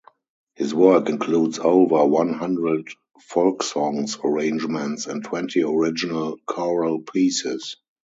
His work includes over one hundred folk songs arrangements and twenty original choral pieces.